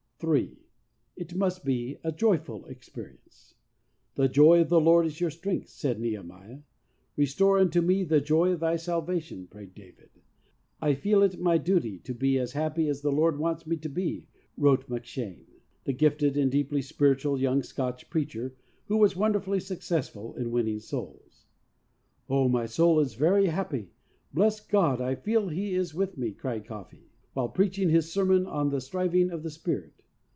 Ill, It must he a joyful experience. "The joy of the Lord is your strength," said Ne hemiah. "Restore unto me the joy of Thy salvation," prayed David. "I feel it my duty to be as happy as the Lord wants me to be," wrote McCheyne, the gifted and deeply spiritual young Scotch preacher, who was wonderfully successful in winning souls. "Oh, my soul is very happy! Bless God, I feel He is with me," cried Caughey, while preaching his sermon on "The Striving of the Spirit."